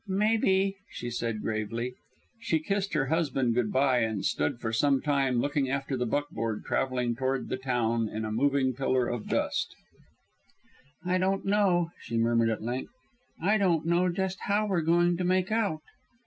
"Maybe," she said gravely. She kissed her husband good by and stood for some time looking after the buckboard traveling toward the town in a moving pillar of dust. "I don't know," she murmured at length; "I don't know just how we're going to make out."